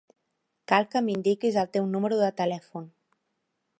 Cal que m'indiquis el teu numero de telèfon.